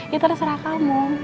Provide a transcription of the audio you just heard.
ya terserah kamu